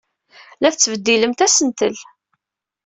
La tettbeddilemt asentel.